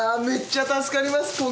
めっちゃ助かります。